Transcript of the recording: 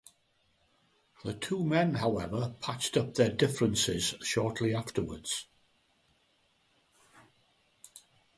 The two men, however, patched up their differences shortly afterwards.